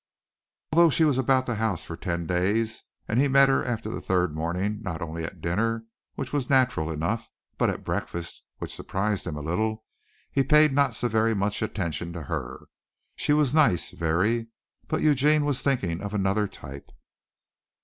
Although she was about the house for ten days and he met her after the third morning not only at dinner, which was natural enough, but at breakfast (which surprised him a little), he paid not so very much attention to her. She was nice, very, but Eugene was thinking of another type.